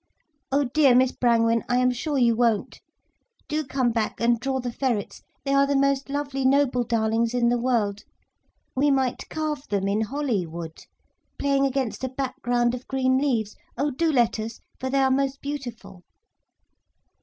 Oh dear Miss Brangwen, I am sure you won't. Do come back and draw the ferrets, they are the most lovely noble darlings in the world. We might carve them in holly wood, playing against a background of green leaves. Oh do let us, for they are most beautiful.